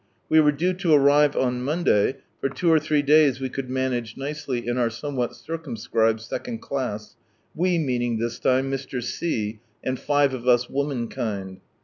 We were due to arrive on Monday, for two or three days we could manage nicely, in our somewhat circumscribed second class, we meaning, this time, Mr. C. and five of us woman kind.